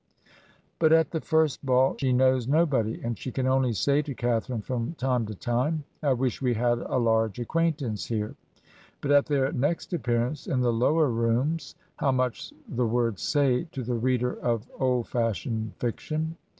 '' But at the first ball she knows nobody, and she can only say to Catharine from time to time, "I wish we had a large acquaintance here," but at their next appearance in the Lower Rooms (how much the words say to the reader of old fashioned fic tion!)